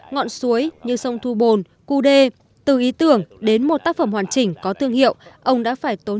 ngọn suối như sông thu bồn cu đê từ ý tưởng đến một tác phẩm hoàn chỉnh có thương hiệu ông đã phải tốn